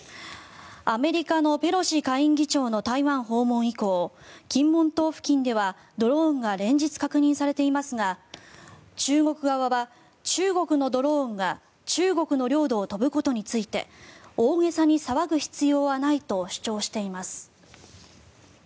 アメリカのペロシ下院議長の台湾訪問以降金門島付近では、ドローンが連日確認されていますが中国側は、中国のドローンが中国の領土を飛ぶことについて大げさに騒ぐ必要はないと主張しています。